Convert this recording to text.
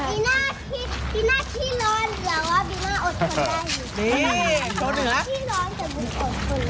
มีหน้าที่ร้อนหรอหรอจริงต้องให้พูดด้วย